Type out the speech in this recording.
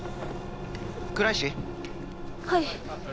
はい。